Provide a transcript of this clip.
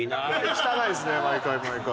汚いですね毎回毎回。